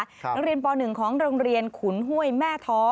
นักเรียนป๑ของโรงเรียนขุนห้วยแม่ท้อ